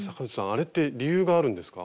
あれって理由があるんですか？